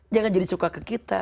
jangan jadi suka ke kita